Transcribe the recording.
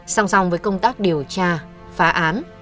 sòng sòng với công tác điều tra phá án